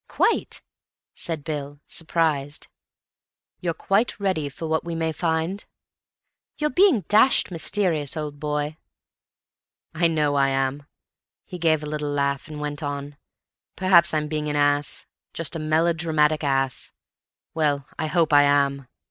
"Quite," said Bill, surprised. "You're quite ready for what we may find?" "You're being dashed mysterious, old boy." "I know I am." He gave a little laugh, and went on, "Perhaps I'm being an ass, just a melodramatic ass. Well, I hope I am."